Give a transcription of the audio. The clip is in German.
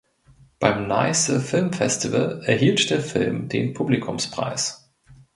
Beim Neiße Filmfestival erhielt der Film den Publikumspreis.